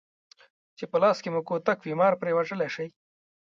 چې په لاس کې مو کوتک وي مار پرې وژلی شئ.